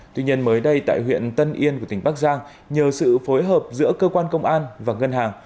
tuy nhiên mới đây tại huyện tân yên của tỉnh bắc giang nhờ sự phối hợp giữa cơ quan công an và ngân hàng